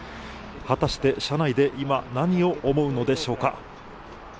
果たして、車内で今何を思うのでしょうか？